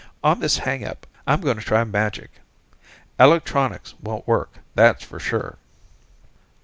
On this hangup, I'm going to try magic. Electronics won't work, that's for sure."